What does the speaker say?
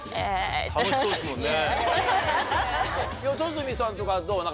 楽しそうですもんね。